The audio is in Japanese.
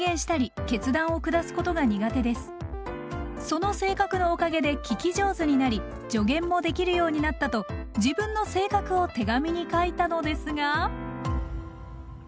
その性格のおかげで聞き上手になり助言もできるようになったと自分の性格を手紙に書いたのですが。